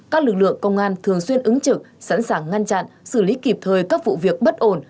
các lực lượng công an thường xuyên ứng trực sẵn sàng ngăn chặn xử lý kịp thời các vụ việc bất ổn